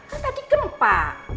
kan tadi gempa